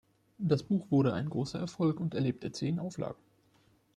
Das Buch wurde ein großer Erfolg und erlebte zehn Auflagen.